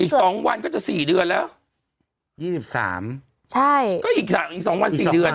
อีกสองวันก็จะสี่เดือนแล้วยี่สิบสามใช่ก็อีกสามอีกสองวันสี่เดือน